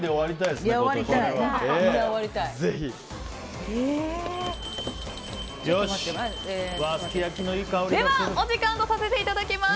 ではお時間とさせていただきます。